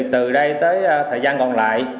từ đây tới thời gian còn lại